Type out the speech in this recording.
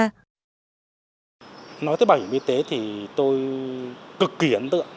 nhiều người tham gia bảo hiểm y tế thì tôi cực kỳ ấn tượng